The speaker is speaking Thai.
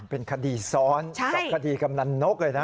เป็นคดีซ้อนกับคดีกำนันนกเลยนะ